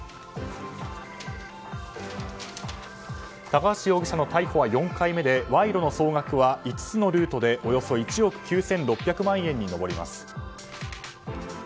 高橋容疑者の逮捕は４回目で賄賂の総額は５つのルートでおよそ１億９６００万円に上ります。